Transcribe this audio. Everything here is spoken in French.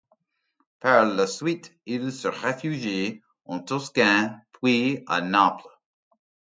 Par la suite, il se réfugie en Toscane puis à Naples.